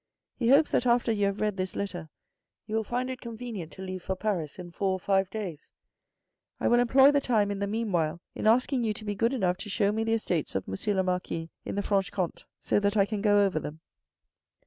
" He hopes that after you have read this letter you will find it convenient to leave for Paris in four or five days. I will employ the time in the meanwhile in asking you to be good enough to show me the estates of M. le Marquis in the Franche Comte, so that I can go over them."